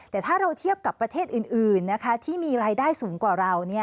แต่ถ้าเราเทียบกับประเทศอื่นที่มีรายได้สูงกว่าเรา